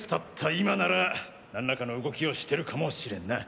今なら何らかの動きをしてるかもしれんな。